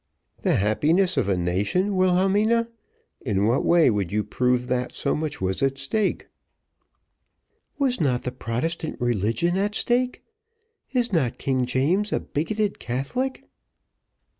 "The happiness of a nation, Wilhelmina? In what way would you prove that so much was at stake?" "Was not the Protestant religion at stake? Is not King James a bigoted Catholic?"